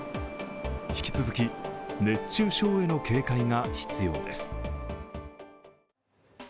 引き続き熱中症への警戒が必要です。